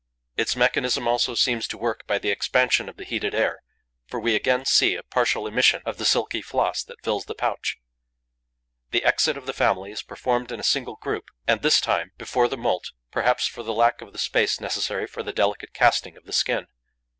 Its mechanism also seems to work by the expansion of the heated air, for we again see a partial emission of the silky floss that fills the pouch. The exit of the family is performed in a single group and, this time, before the moult, perhaps for lack of the space necessary for the delicate casting of the skin.